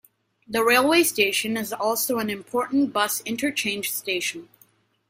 The railway station is also an important bus interchange station.